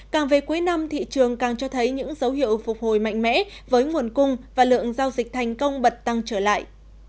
càng về cuối năm thị trường càng cho thấy những dấu hiệu phục hồi mạnh mẽ với nguồn cung và lượng giao dịch thành công bật tăng trở lại